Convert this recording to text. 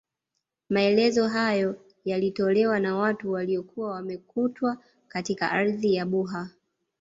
Maelezo hayo yalitolewa na watu waliokuwa wamekutwa katika ardhi ya Buha